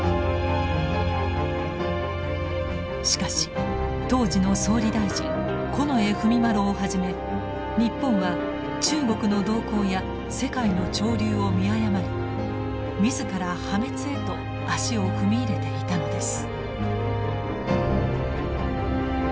しかし当時の総理大臣近衛文麿をはじめ日本は中国の動向や世界の潮流を見誤り自ら破滅へと足を踏み入れていたのです。